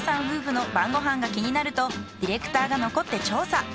夫婦の晩ご飯が気になるとディレクターが残って調査。